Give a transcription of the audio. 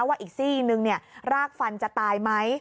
ว่าอีกซี่นึงรากฟันจะตายไหม